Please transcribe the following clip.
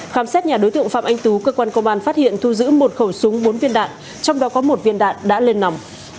khám xét nhà đối tượng phạm anh tú cơ quan công an phát hiện thu giữ một khẩu súng bốn viên đạn trong đó có một viên đạn đã lên nòng